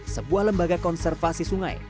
sebuah lembaga konservasi sungai